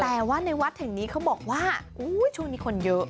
แต่ว่าในวัดแห่งนี้เขาบอกว่าช่วงนี้คนเยอะ